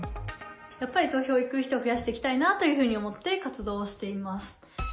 やっぱり投票行く人を増やしていきたいなというふうに思って、活動しています。